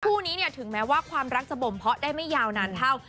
คู่นี้เนี่ยถึงแม้ว่าความรักจะบ่มเพาะได้ไม่ยาวนานเท่า